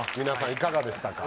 いかがでしたか？